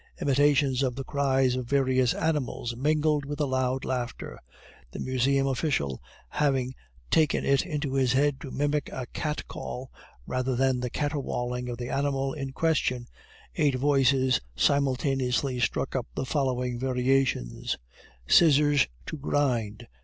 Imitations of the cries of various animals mingled with the loud laughter; the Museum official having taken it into his head to mimic a cat call rather like the caterwauling of the animal in question, eight voices simultaneously struck up with the following variations: "Scissors to grind!"